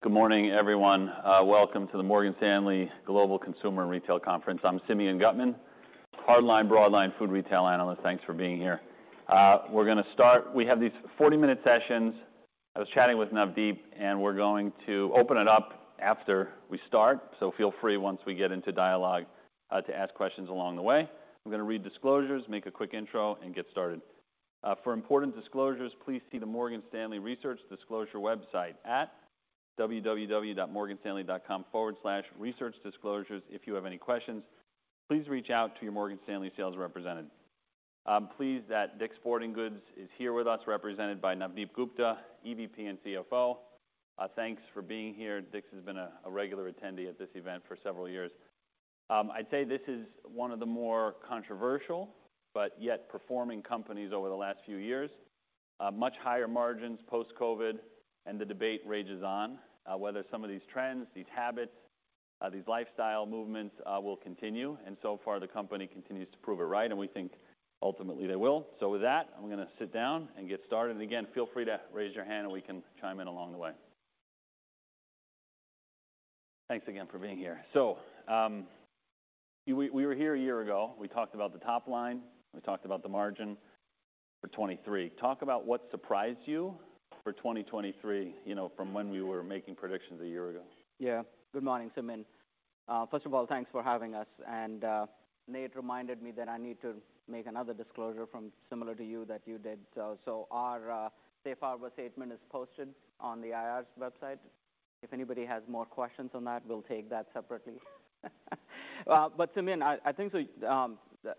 Good morning, everyone. Welcome to the Morgan Stanley Global Consumer and Retail Conference. I'm Simeon Gutman, hardline broadline food retail analyst. Thanks for being here. We're going to start. We have these 40-minute sessions. I was chatting with Navdeep, and we're going to open it up after we start. So feel free, once we get into dialogue, to ask questions along the way. I'm going to read disclosures, make a quick intro, and get started. For important disclosures, please see the Morgan Stanley Research Disclosure website at www.morganstanley.com/researchdisclosures. If you have any questions, please reach out to your Morgan Stanley sales representative. I'm pleased that DICK'S Sporting Goods is here with us, represented by Navdeep Gupta, EVP and CFO. Thanks for being here. DICK'S has been a regular attendee at this event for several years. I'd say this is one of the more controversial, but yet performing companies over the last few years. Much higher margins post-COVID, and the debate rages on, whether some of these trends, these habits, these lifestyle movements, will continue, and so far, the company continues to prove it right, and we think ultimately they will. So with that, I'm going to sit down and get started. Again, feel free to raise your hand, and we can chime in along the way. Thanks again for being here. So, we were here a year ago. We talked about the top line, we talked about the margin for 2023. Talk about what surprised you for 2023, you know, from when we were making predictions a year ago. Yeah. Good morning, Simeon. First of all, thanks for having us, and, Nate reminded me that I need to make another disclosure from similar to you, that you did. So, so our, safe harbor statement is posted on the IR's website. If anybody has more questions on that, we'll take that separately. But Simeon, I, I think so...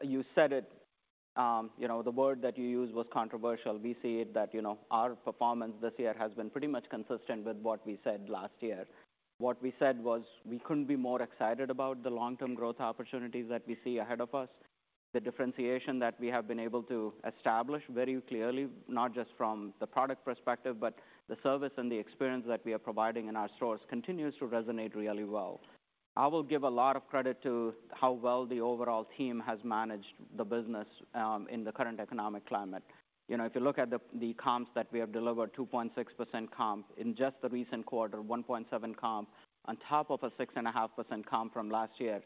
You said it, you know, the word that you used was controversial. We see it, that, you know, our performance this year has been pretty much consistent with what we said last year. What we said was, we couldn't be more excited about the long-term growth opportunities that we see ahead of us. The differentiation that we have been able to establish very clearly, not just from the product perspective, but the service and the experience that we are providing in our stores, continues to resonate really well. I will give a lot of credit to how well the overall team has managed the business in the current economic climate. You know, if you look at the comps that we have delivered, 2.6% comp in just the recent quarter, 1.7 comp, on top of a 6.5% comp from last year.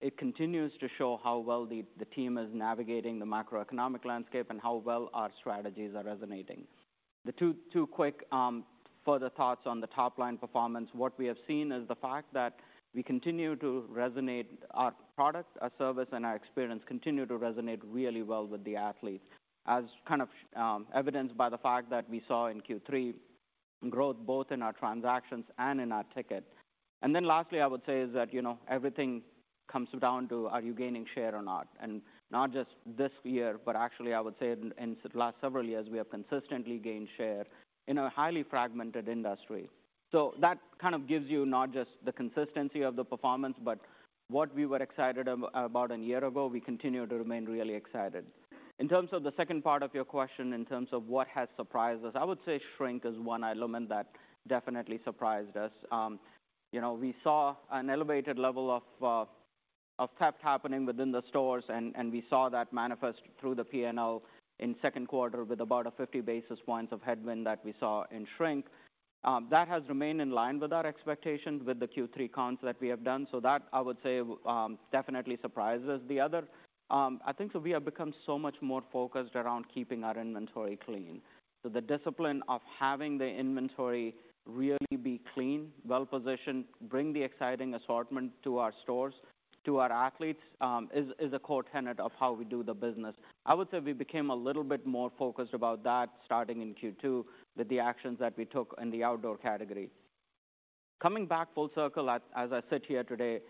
It continues to show how well the team is navigating the macroeconomic landscape and how well our strategies are resonating. The two quick further thoughts on the top-line performance. What we have seen is the fact that we continue to resonate, our product, our service, and our experience continue to resonate really well with the athletes, as kind of, evidenced by the fact that we saw in Q3 growth both in our transactions and in our ticket. And then lastly, I would say is that, you know, everything comes down to are you gaining share or not? And not just this year, but actually I would say in the last several years, we have consistently gained share in a highly fragmented industry. So that kind of gives you not just the consistency of the performance, but what we were excited about a year ago, we continue to remain really excited. In terms of the second part of your question, in terms of what has surprised us, I would say shrink is one element that definitely surprised us. You know, we saw an elevated level of theft happening within the stores, and we saw that manifest through the P&L in Q2 with about a 50 basis points of headwind that we saw in shrink. That has remained in line with our expectations, with the Q3 comps that we have done, so that, I would say, definitely surprises us. The other, I think, so we have become so much more focused around keeping our inventory clean. So the discipline of having the inventory really be clean, well-positioned, bring the exciting assortment to our stores, to our athletes, is a core tenet of how we do the business. I would say we became a little bit more focused about that starting in Q2, with the actions that we took in the outdoor category. Coming back full circle, as I sit here today,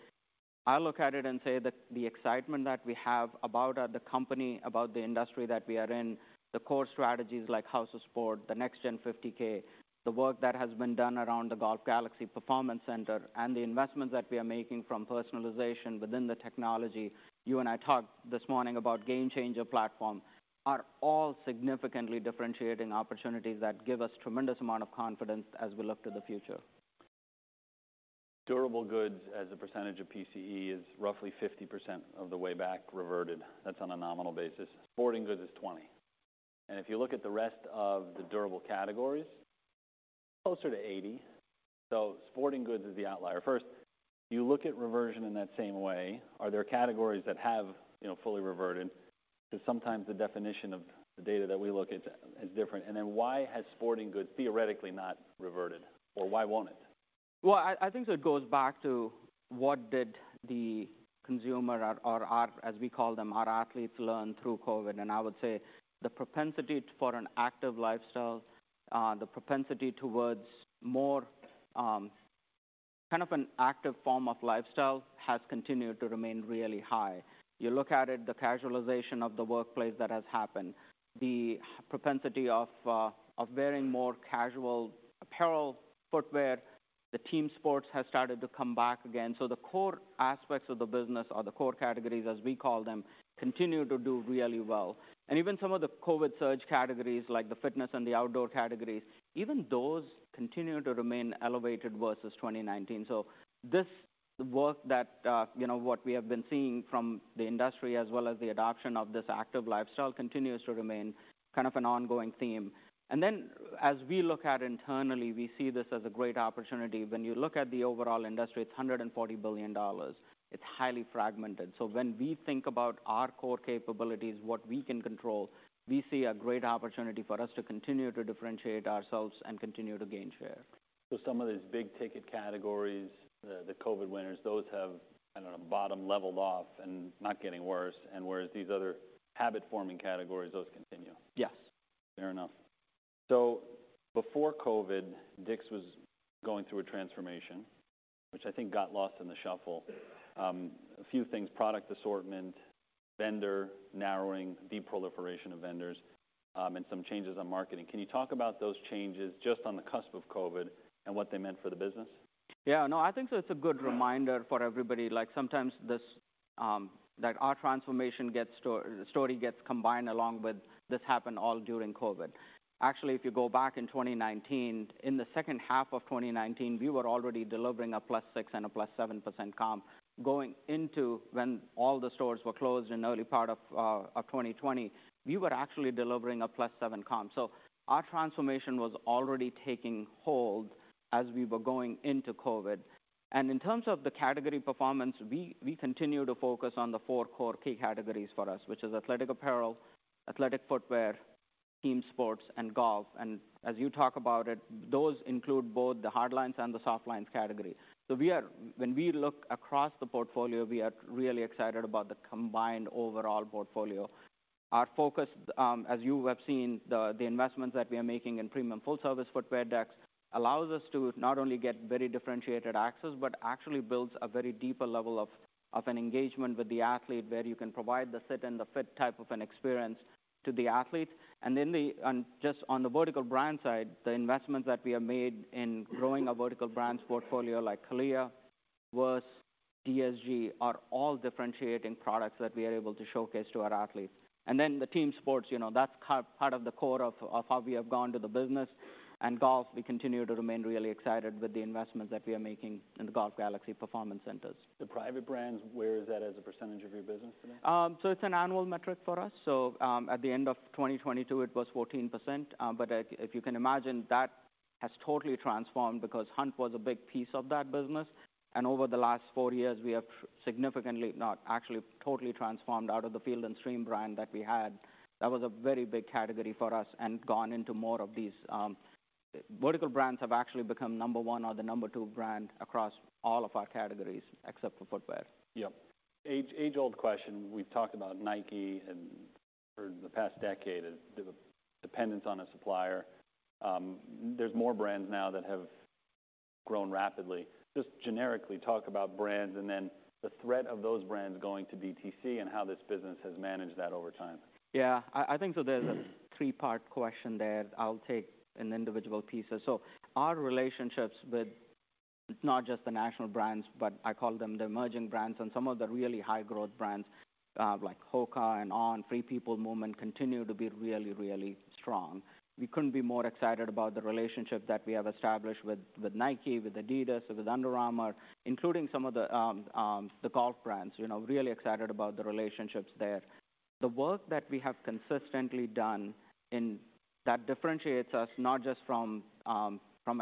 I look at it and say that the excitement that we have about the company, about the industry that we are in, the core strategies like House of Sport, the Next Gen 50K, the work that has been done around the Golf Galaxy Performance Center, and the investments that we are making from personalization within the technology. You and I talked this morning about GameChanger platform, are all significantly differentiating opportunities that give us tremendous amount of confidence as we look to the future. Durable goods, as a percentage of PCE, is roughly 50% of the way back reverted. That's on a nominal basis. Sporting goods is 20. And if you look at the rest of the durable categories, closer to 80, so sporting goods is the outlier. First, you look at reversion in that same way. Are there categories that have, you know, fully reverted? Because sometimes the definition of the data that we look at is different. And then why has sporting goods theoretically not reverted, or why won't it? Well, I think it goes back to what did the consumer or our, as we call them, our athletes, learn through COVID? And I would say the propensity for an active lifestyle, the propensity towards more, kind of an active form of lifestyle has continued to remain really high. You look at it, the casualization of the workplace that has happened, the propensity of wearing more casual apparel, footwear, the team sports has started to come back again. So the core aspects of the business, or the core categories, as we call them, continue to do really well. And even some of the COVID surge categories like the fitness and the outdoor categories, even those continue to remain elevated versus 2019. So this-... The work that, you know, what we have been seeing from the industry, as well as the adoption of this active lifestyle, continues to remain kind of an ongoing theme. Then as we look at internally, we see this as a great opportunity. When you look at the overall industry, it's $140 billion. It's highly fragmented. So when we think about our core capabilities, what we can control, we see a great opportunity for us to continue to differentiate ourselves and continue to gain share. So some of these big-ticket categories, the COVID winners, those have, I don't know, bottom leveled off and not getting worse, and whereas these other habit-forming categories, those continue? Yes. Fair enough. So before COVID, DICK'S was going through a transformation, which I think got lost in the shuffle. A few things, product assortment, vendor narrowing, de-proliferation of vendors, and some changes on marketing. Can you talk about those changes just on the cusp of COVID and what they meant for the business? Yeah. No, I think so it's a good reminder for everybody. Like, sometimes this, that our transformation story gets combined along with, "This happened all during COVID." Actually, if you go back in 2019, in the H2 of 2019, we were already delivering a +6% and a +7% comp. Going into when all the stores were closed in early part of, of 2020, we were actually delivering a +7% comp. So our transformation was already taking hold as we were going into COVID. And in terms of the category performance, we, we continue to focus on the four core key categories for us, which is athletic apparel, athletic footwear, team sports, and golf. And as you talk about it, those include both the hardlines and the softlines category. So, when we look across the portfolio, we are really excited about the combined overall portfolio. Our focus, as you have seen, the investments that we are making in premium full-service footwear decks allows us to not only get very differentiated access, but actually builds a very deeper level of an engagement with the athlete, where you can provide the sit and the fit type of an experience to the athlete. And then, just on the vertical brand side, the investments that we have made in growing our vertical brands portfolio like HOKA, VRST, DSG are all differentiating products that we are able to showcase to our athletes. And then the team sports, you know, that's key part of the core of how we have gone to the business. Golf, we continue to remain really excited with the investments that we are making in the Golf Galaxy performance centers. The private brands, where is that as a percentage of your business today? So it's an annual metric for us. So, at the end of 2022, it was 14%. But if you can imagine, that has totally transformed because hunt was a big piece of that business, and over the last 4 years, we have significantly, actually, totally transformed out of the Field & Stream brand that we had. That was a very big category for us and gone into more of these vertical brands have actually become number one or the number two brand across all of our categories, except for footwear. Yep. Age-old question, we've talked about Nike and for the past decade, is the dependence on a supplier. There's more brands now that have grown rapidly. Just generically, talk about brands and then the threat of those brands going to DTC and how this business has managed that over time. Yeah. I think so there's a three-part question there. I'll take in individual pieces. Our relationships with not just the national brands, but I call them the emerging brands and some of the really high-growth brands, like HOKA and On, FP Movement, continue to be really, really strong. We couldn't be more excited about the relationship that we have established with, with Nike, with Adidas, with Under Armour, including some of the golf brands. You know, really excited about the relationships there. The work that we have consistently done in that differentiates us, not just from a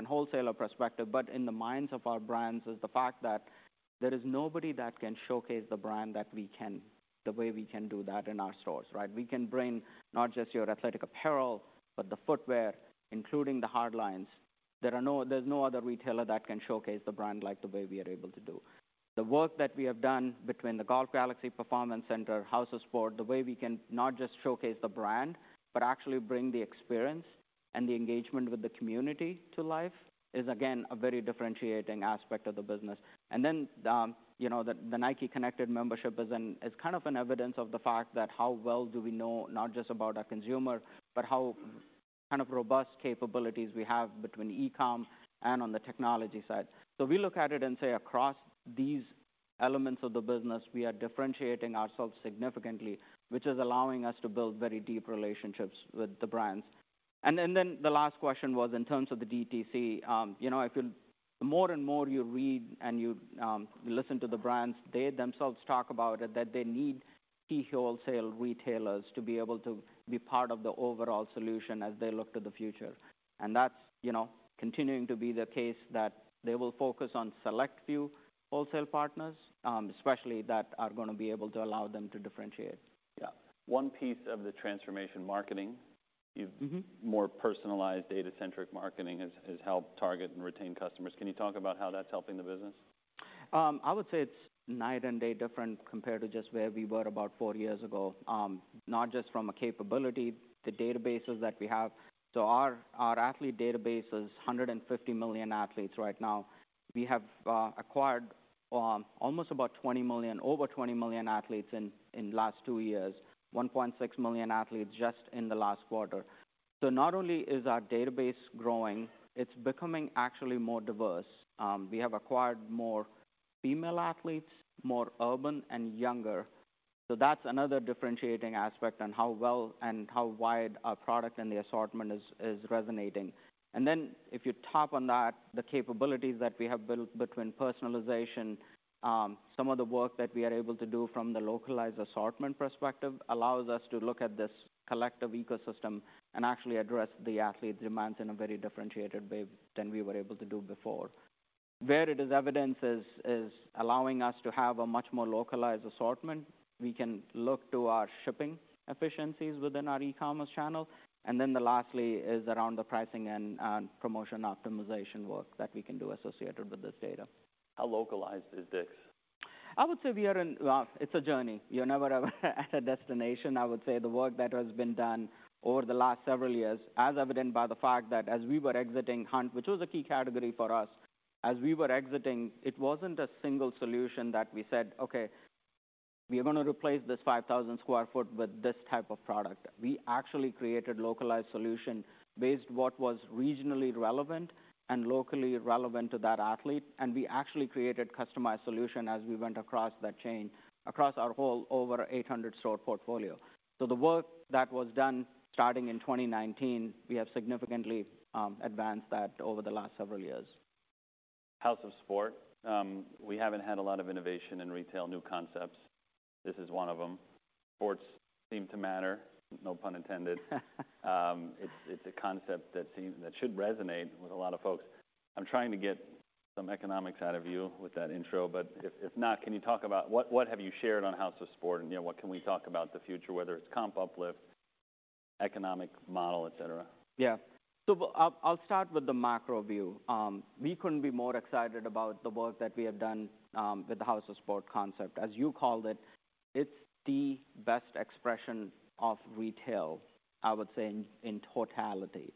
wholesaler perspective, but in the minds of our brands, is the fact that there is nobody that can showcase the brand that we can, the way we can do that in our stores, right? We can bring not just your athletic apparel, but the footwear, including the hardlines. There are no, there's no other retailer that can showcase the brand like the way we are able to do. The work that we have done between the Golf Galaxy Performance Center, House of Sport, the way we can not just showcase the brand, but actually bring the experience and the engagement with the community to life, is again, a very differentiating aspect of the business. And then, you know, the Nike Connected Membership is kind of an evidence of the fact that how well do we know not just about our consumer, but how kind of robust capabilities we have between e-com and on the technology side. So we look at it and say, across these elements of the business, we are differentiating ourselves significantly, which is allowing us to build very deep relationships with the brands. And then the last question was in terms of the DTC. You know, if you-- the more and more you read and you, you listen to the brands, they themselves talk about it, that they need key wholesale retailers to be able to be part of the overall solution as they look to the future. And that's, you know, continuing to be the case, that they will focus on select few wholesale partners, especially that are gonna be able to allow them to differentiate. Yeah. One piece of the transformation marketing- Mm-hmm. More personalized, data-centric marketing has helped target and retain customers. Can you talk about how that's helping the business? I would say it's night and day different compared to just where we were about 4 years ago, not just from a capability, the databases that we have. So our, our athlete database is 150 million athletes right now. We have acquired almost about 20 million, over 20 million athletes in, in last 2 years, 1.6 million athletes just in the last quarter. So not only is our database growing, it's becoming actually more diverse. We have acquired more female athletes, more urban and younger.... So that's another differentiating aspect on how well and how wide our product and the assortment is, is resonating. And then if you tap on that, the capabilities that we have built between personalization, some of the work that we are able to do from the localized assortment perspective, allows us to look at this collective ecosystem and actually address the athlete's demands in a very differentiated way than we were able to do before. Where it is evidence is allowing us to have a much more localized assortment. We can look to our shipping efficiencies within our e-commerce channel. And then the lastly is around the pricing and promotion optimization work that we can do associated with this data. How localized is this? I would say we are in. Well, it's a journey. You're never ever at a destination. I would say the work that has been done over the last several years, as evidenced by the fact that as we were exiting hunt, which was a key category for us, as we were exiting, it wasn't a single solution that we said: "Okay, we are going to replace this 5,000 sq ft with this type of product." We actually created localized solution based what was regionally relevant and locally relevant to that athlete, and we actually created customized solution as we went across that chain, across our whole over 800 store portfolio. So the work that was done starting in 2019, we have significantly advanced that over the last several years. House of Sport. We haven't had a lot of innovation in retail, new concepts. This is one of them. Sports seem to matter, no pun intended. It's a concept that seems that should resonate with a lot of folks. I'm trying to get some economics out of you with that intro, but if not, can you talk about what have you shared on House of Sport? You know, what can we talk about the future, whether it's comp uplift, economic model, et cetera? Yeah. So I'll start with the macro view. We couldn't be more excited about the work that we have done with the House of Sport concept. As you called it, it's the best expression of retail, I would say, in totality.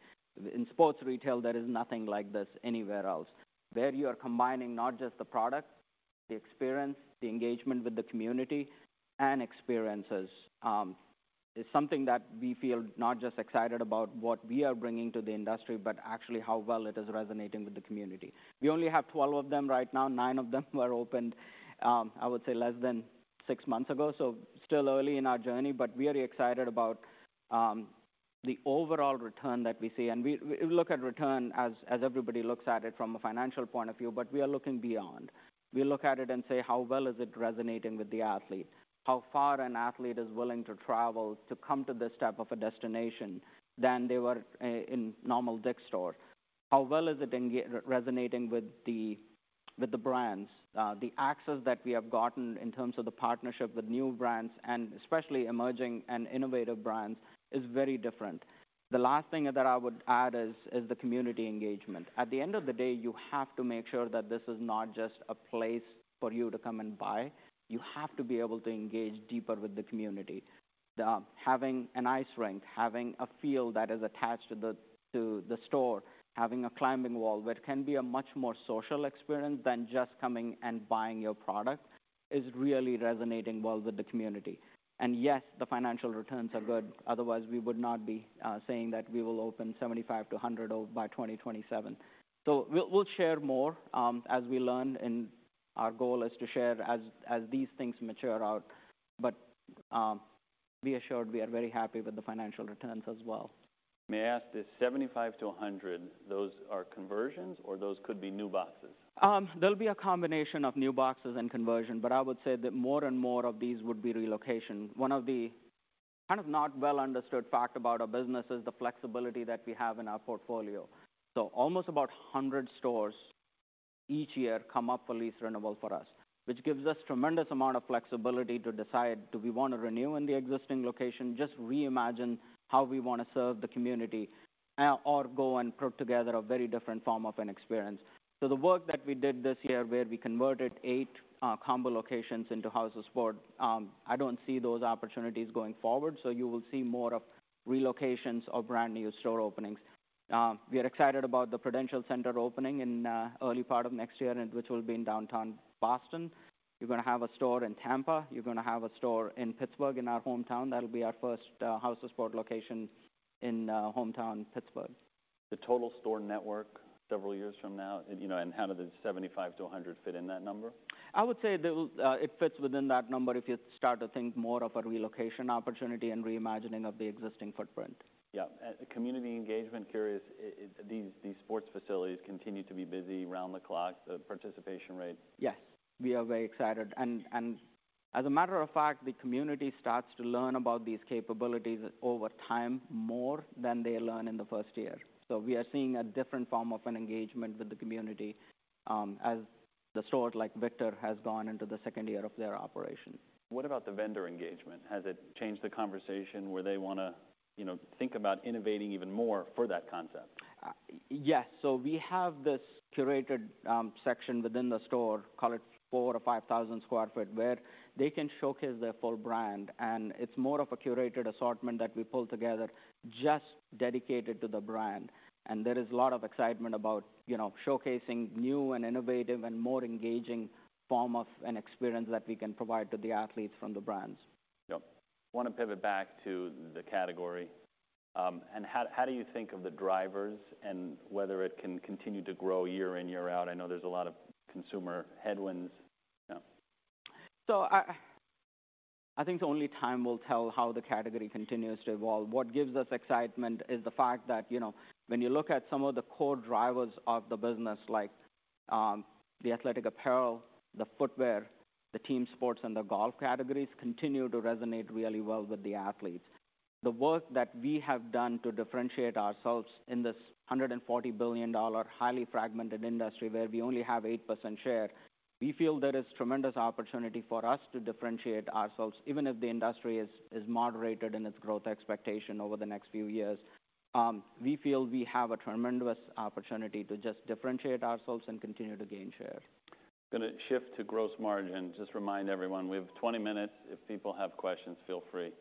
In sports retail, there is nothing like this anywhere else. Where you are combining not just the product, the experience, the engagement with the community and experiences, is something that we feel not just excited about what we are bringing to the industry, but actually how well it is resonating with the community. We only have 12 of them right now. 9 of them were opened, I would say, less than 6 months ago, so still early in our journey. But we are excited about the overall return that we see. And we look at return as everybody looks at it from a financial point of view, but we are looking beyond. We look at it and say: How well is it resonating with the athlete? How far an athlete is willing to travel to come to this type of a destination than they were in normal DICK'S store? How well is it resonating with the, with the brands? The access that we have gotten in terms of the partnership with new brands, and especially emerging and innovative brands, is very different. The last thing that I would add is the community engagement. At the end of the day, you have to make sure that this is not just a place for you to come and buy. You have to be able to engage deeper with the community. Having an ice rink, having a field that is attached to the store, having a climbing wall, where it can be a much more social experience than just coming and buying your product, is really resonating well with the community. And yes, the financial returns are good. Otherwise, we would not be saying that we will open 75-100 by 2027. So we'll share more as we learn, and our goal is to share as these things mature out. But be assured, we are very happy with the financial returns as well. May I ask, this 75-100, those are conversions or those could be new boxes? There'll be a combination of new boxes and conversion, but I would say that more and more of these would be relocation. One of the kind of not well understood fact about our business is the flexibility that we have in our portfolio. So almost about 100 stores each year come up for lease renewable for us, which gives us tremendous amount of flexibility to decide do we want to renew in the existing location, just reimagine how we want to serve the community, or go and put together a very different form of an experience. So the work that we did this year, where we converted 8, combo locations into House of Sport, I don't see those opportunities going forward, so you will see more of relocations or brand-new store openings. We are excited about the Prudential Center opening in early part of next year and which will be in downtown Boston. We're gonna have a store in Tampa. You're gonna have a store in Pittsburgh, in our hometown. That'll be our first House of Sport location in hometown, Pittsburgh. The total store network several years from now, and, you know, and how do the 75-100 fit in that number? I would say that will... it fits within that number if you start to think more of a relocation opportunity and reimagining of the existing footprint. Yeah, community engagement, curious, these sports facilities continue to be busy around the clock, the participation rate? Yes, we are very excited. As a matter of fact, the community starts to learn about these capabilities over time, more than they learn in the first year. We are seeing a different form of an engagement with the community, as the store, like Victor, has gone into the second year of their operation. What about the vendor engagement? Has it changed the conversation where they wanna, you know, think about innovating even more for that concept? Yes. So we have this curated section within the store, call it 4,000-5,000 sq ft, where they can showcase their full brand, and it's more of a curated assortment that we pull together, just dedicated to the brand. And there is a lot of excitement about, you know, showcasing new and innovative and more engaging form of an experience that we can provide to the athletes from the brands. Yep. Want to pivot back to the category. And how do you think of the drivers and whether it can continue to grow year in, year out? I know there's a lot of consumer headwinds. Yeah. So I think the only time will tell how the category continues to evolve. What gives us excitement is the fact that, you know, when you look at some of the core drivers of the business, like, the athletic apparel, the footwear, the team sports, and the golf categories, continue to resonate really well with the athletes. The work that we have done to differentiate ourselves in this $140 billion, highly fragmented industry, where we only have 8% share, we feel there is tremendous opportunity for us to differentiate ourselves, even if the industry is moderated in its growth expectation over the next few years. We feel we have a tremendous opportunity to just differentiate ourselves and continue to gain share. Gonna shift to gross margin. Just remind everyone, we have 20 minutes. If people have questions, feel free,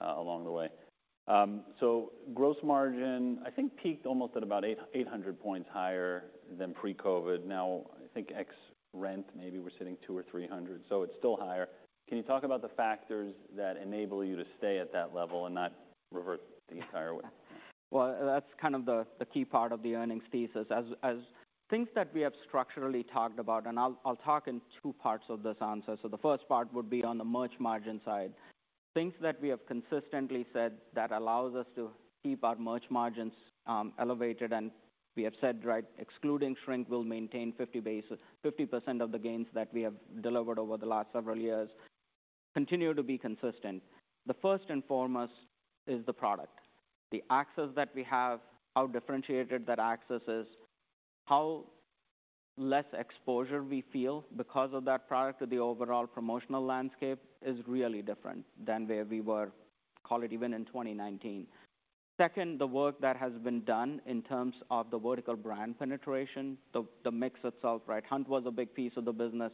along the way. So gross margin, I think, peaked almost at about 800 points higher than pre-COVID. Now, I think ex rent, maybe we're sitting 200 or 300, so it's still higher. Can you talk about the factors that enable you to stay at that level and not revert the entire way? Well, that's kind of the key part of the earnings thesis. As things that we have structurally talked about, and I'll talk in two parts of this answer. So the first part would be on the merch margin side. Things that we have consistently said that allows us to keep our merch margins elevated, and we have said, right, excluding shrink, will maintain 50% of the gains that we have delivered over the last several years, continue to be consistent. The first and foremost is the product. The access that we have, how differentiated that access is, how less exposure we feel because of that product or the overall promotional landscape, is really different than where we were, call it, even in 2019. Second, the work that has been done in terms of the vertical brand penetration, the mix itself, right? Hunt was a big piece of the business,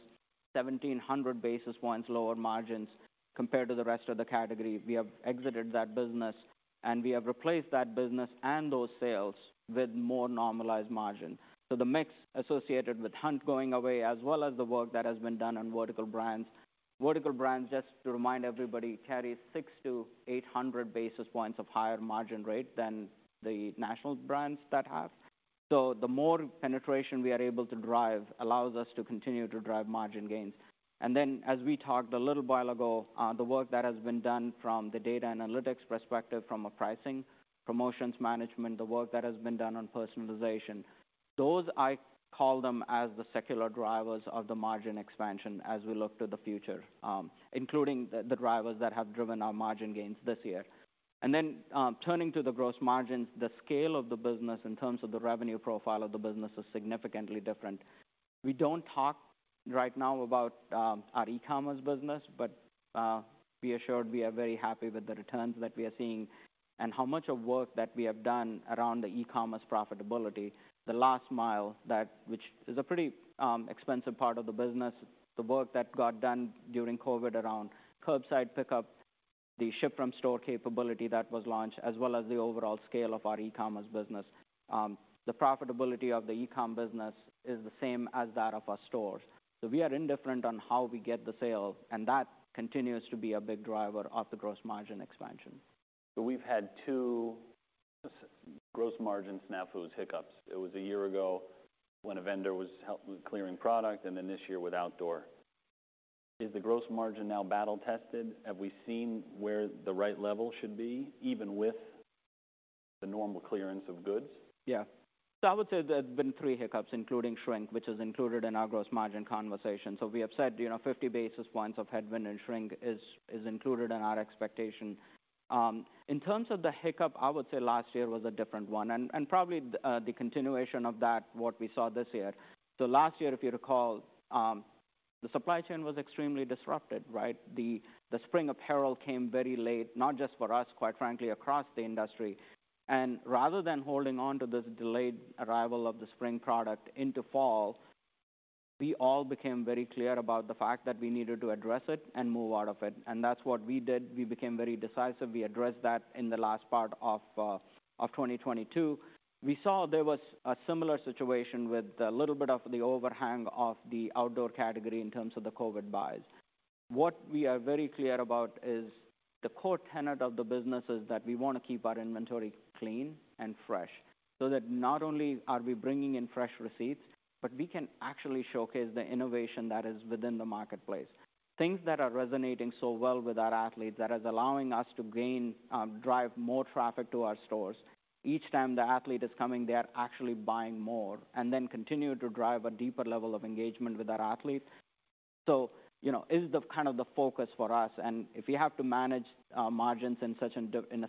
1,700 basis points lower margins, compared to the rest of the category. We have exited that business, and we have replaced that business and those sales with more normalized margin. So the mix associated with hunt going away, as well as the work that has been done on vertical brands. Vertical brands, just to remind everybody, carries 600-800 basis points of higher margin rate than the national brands that have. So the more penetration we are able to drive, allows us to continue to drive margin gains. And then, as we talked a little while ago, the work that has been done from the data analytics perspective, from a pricing, promotions, management, the work that has been done on personalization, those, I call them as the secular drivers of the margin expansion as we look to the future, including the drivers that have driven our margin gains this year. And then, turning to the gross margins, the scale of the business in terms of the revenue profile of the business is significantly different. We don't talk right now about our e-commerce business, but be assured, we are very happy with the returns that we are seeing and how much of work that we have done around the e-commerce profitability. The last mile, that, which is a pretty, expensive part of the business, the work that got done during COVID around curbside pickup, the ship from store capability that was launched, as well as the overall scale of our e-commerce business. The profitability of the e-com business is the same as that of our stores. So we are indifferent on how we get the sale, and that continues to be a big driver of the gross margin expansion. So we've had two gross margin snafus, hiccups. It was a year ago when a vendor was helping with clearing product, and then this year with outdoor. Is the gross margin now battle-tested? Have we seen where the right level should be, even with the normal clearance of goods? Yeah. So I would say there have been 3 hiccups, including shrink, which is included in our gross margin conversation. So we have said, you know, 50 basis points of headwind and shrink is included in our expectation. In terms of the hiccup, I would say last year was a different one, and probably the continuation of that, what we saw this year. So last year, if you recall, the supply chain was extremely disrupted, right? The spring apparel came very late, not just for us, quite frankly, across the industry. And rather than holding on to this delayed arrival of the spring product into fall, we all became very clear about the fact that we needed to address it and move out of it, and that's what we did. We became very decisive. We addressed that in the last part of 2022. We saw there was a similar situation with a little bit of the overhang of the outdoor category in terms of the COVID buys. What we are very clear about is the core tenet of the business is that we want to keep our inventory clean and fresh, so that not only are we bringing in fresh receipts, but we can actually showcase the innovation that is within the marketplace. Things that are resonating so well with our athletes, that is allowing us to gain, drive more traffic to our stores. Each time the athlete is coming, they are actually buying more, and then continue to drive a deeper level of engagement with our athlete. So, you know, it is, kind of, the focus for us, and if we have to manage margins in such a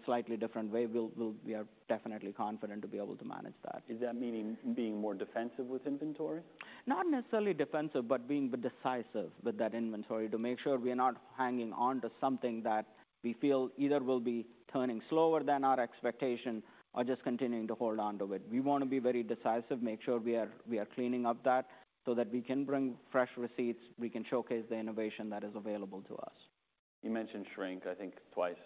slightly different way, we'll, we are definitely confident to be able to manage that. Is that meaning being more defensive with inventory? Not necessarily defensive, but being decisive with that inventory to make sure we are not hanging on to something that we feel either will be turning slower than our expectation or just continuing to hold on to it. We want to be very decisive, make sure we are, we are cleaning up that, so that we can bring fresh receipts, we can showcase the innovation that is available to us. You mentioned shrink, I think twice,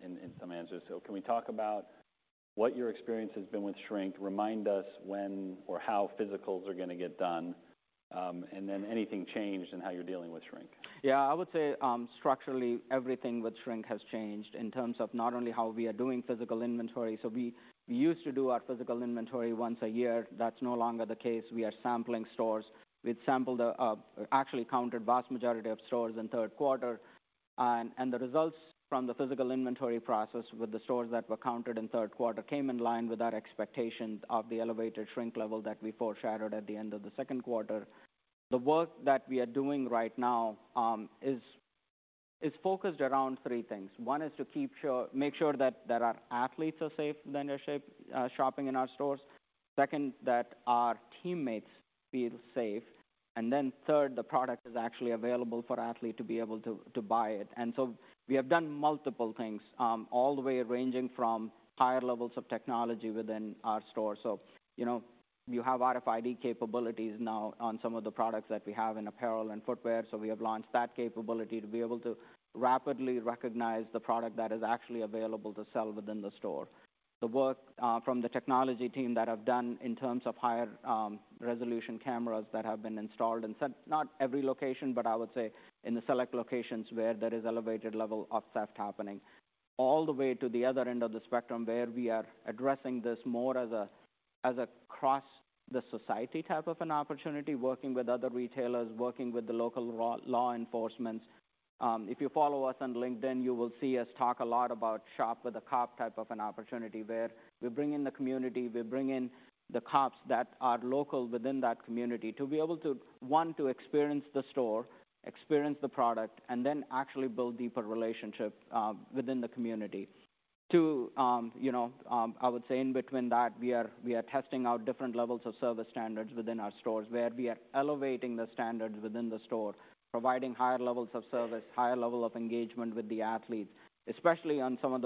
in some answers. So can we talk about what your experience has been with shrink. Remind us when or how physicals are going to get done, and then anything changed in how you're dealing with shrink? Yeah, I would say, structurally, everything with shrink has changed in terms of not only how we are doing physical inventory. So we, we used to do our physical inventory once a year. That's no longer the case. We are sampling stores. We've sampled, actually counted vast majority of stores in Q3. And, and the results from the physical inventory process with the stores that were counted in Q3 came in line with our expectations of the elevated shrink level that we foreshadowed at the end of the Q2. The work that we are doing right now, is, is focused around three things. One is to make sure that, that our athletes are safe when they're shopping in our stores. Second, that our teammates feel safe. And then third, the product is actually available for athlete to be able to, to buy it. And so we have done multiple things, all the way ranging from higher levels of technology within our store. So, you know, you have RFID capabilities now on some of the products that we have in apparel and footwear, so we have launched that capability to be able to rapidly recognize the product that is actually available to sell within the store. The work from the technology team that I've done in terms of higher resolution cameras that have been installed in some... not every location, but I would say in the select locations where there is elevated level of theft happening. All the way to the other end of the spectrum, where we are addressing this more as an across-the-society type of an opportunity, working with other retailers, working with the local law enforcement. If you follow us on LinkedIn, you will see us talk a lot about Shop with a Cop type of an opportunity, where we bring in the community, we bring in the cops that are local within that community to be able to, one, to experience the store, experience the product, and then actually build deeper relationships within the community. Two, you know, I would say in between that, we are testing out different levels of service standards within our stores, where we are elevating the standards within the store, providing higher levels of service, higher level of engagement with the athletes, especially on some of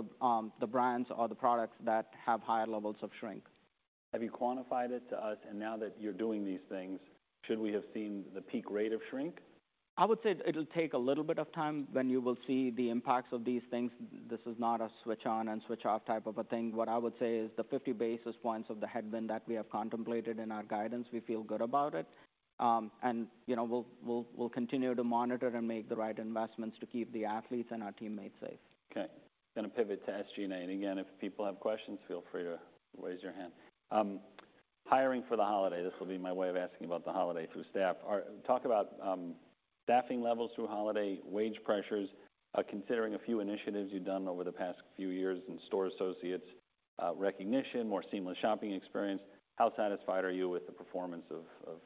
the brands or the products that have higher levels of shrink. Have you quantified it to us? Now that you're doing these things, should we have seen the peak rate of shrink? I would say it'll take a little bit of time when you will see the impacts of these things. This is not a switch on and switch off type of a thing. What I would say is the 50 basis points of the headwind that we have contemplated in our guidance, we feel good about it. And, you know, we'll continue to monitor and make the right investments to keep the athletes and our teammates safe. Okay. Gonna pivot to SG&A. Again, if people have questions, feel free to raise your hand. Hiring for the holiday, this will be my way of asking about the holiday through staff. Talk about staffing levels through holiday, wage pressures, considering a few initiatives you've done over the past few years in store associates, recognition, more seamless shopping experience, how satisfied are you with the performance of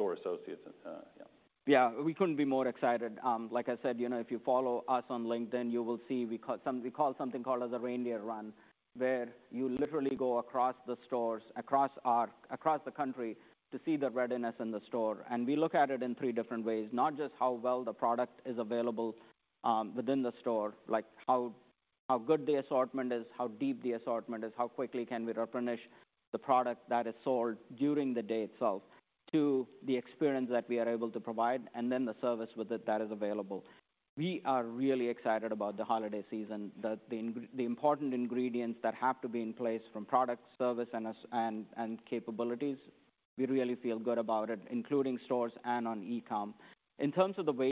store associates? Yeah. Yeah, we couldn't be more excited. Like I said, you know, if you follow us on LinkedIn, you will see we call something called as a Reindeer Run, where you literally go across the stores, across the country to see the readiness in the store. And we look at it in three different ways, not just how well the product is available, within the store, like how good the assortment is, how deep the assortment is, how quickly can we replenish the product that is sold during the day itself, to the experience that we are able to provide, and then the service with it that is available. We are really excited about the holiday season. The important ingredients that have to be in place from product, service, and associate capabilities, we really feel good about it, including stores and on e-com. In terms of the wage-